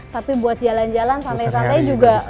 tapi buat jalan jalan santai santai juga